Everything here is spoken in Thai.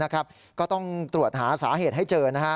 ก็ต้องตรวจหาสาเหตุให้เจอ